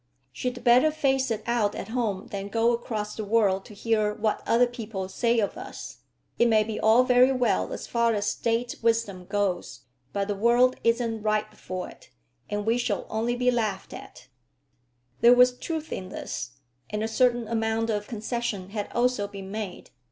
"She'd better face it out at home than go across the world to hear what other people say of us. It may be all very well as far as state wisdom goes; but the world isn't ripe for it, and we shall only be laughed at." There was truth in this, and a certain amount of concession had also been made.